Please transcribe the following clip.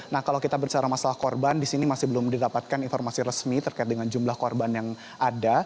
nah kalau kita bicara masalah korban di sini masih belum didapatkan informasi resmi terkait dengan jumlah korban yang ada